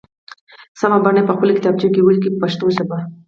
سمه بڼه یې په خپلو کتابچو کې ولیکئ په پښتو ژبه.